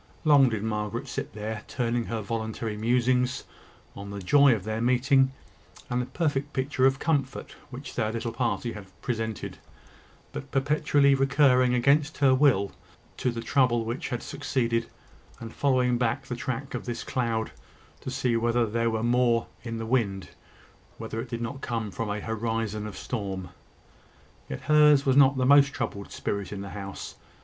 Long did Margaret sit there, turning her voluntary musings on the joy of their meeting, and the perfect picture of comfort which their little party had presented; but perpetually recurring, against her will, to the trouble which had succeeded, and following back the track of this cloud, to see whether there were more in the wind whether it did not come from a horizon of storm. Yet hers was not the most troubled spirit in the house.